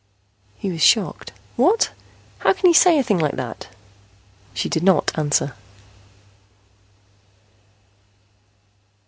He was shocked. "What? How can you say a thing like that?" She did not answer.